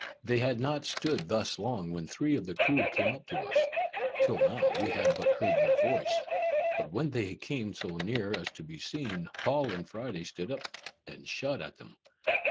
They had not stood thus long, when three of the crew came up to us. Till now, we had but heard their voice, but when they came so near as to be seen, Paul and Friday stood up and shot at them.